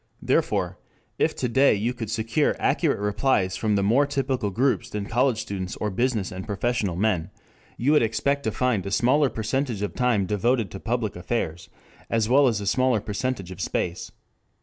Therefore, if to day you could secure accurate replies from more typical groups than college students or business and professional men, you would expect to find a smaller percentage of time devoted to public affairs, as well as a smaller percentage of space.